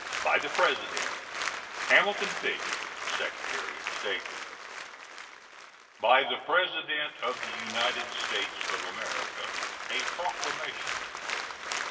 By the President: HAMILTON FISH, Secretary of State. BY THE PRESIDENT OF THE UNITED STATES OF AMERICA. A PROCLAMATION.